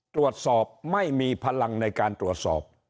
ตรวจสอบไม่มีพลังในการตรวจสอบ